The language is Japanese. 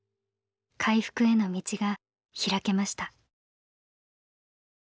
回復への道が開けました。